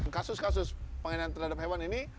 kasus kasus penganian terhadap hewan ini